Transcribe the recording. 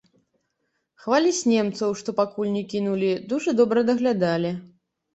Хваліць немцаў, што пакуль не кінулі, дужа добра даглядалі.